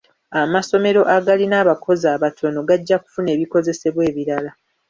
Amassomero agalina abakozi abatono gajja kufuna ebikozesebwa ebirala.